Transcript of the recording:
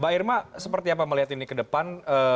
mbak irma seperti apa melihat ini ke depan